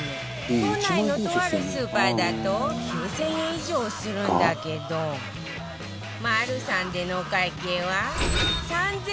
都内のとあるスーパーだと９０００円以上するんだけどマルサンでのお会計は